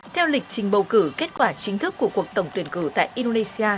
theo lịch trình bầu cử kết quả chính thức của cuộc tổng tuyển cử tại indonesia